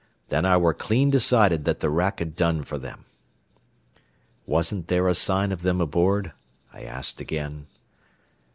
Then I ware clean decided that the wrack had done fer them." "Wasn't there a sign of them aboard?" I asked again.